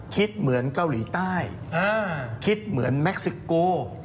คิดเหมือนเกาหลีใต้คิดเหมือนแม็กซิโก